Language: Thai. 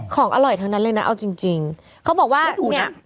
ของอร่อยทั้งนั้นเลยนะเอาจริงจริงเขาบอกว่าเนี่ย